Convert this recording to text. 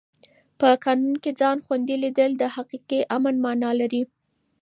په قانون کې ځان خوندي لیدل د حقیقي امن مانا لري.